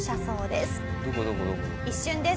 一瞬です。